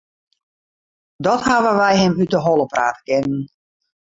Dat hawwe wy him út 'e holle prate kinnen.